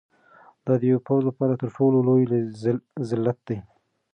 دا د یو پوځ لپاره تر ټولو لوی ذلت دی.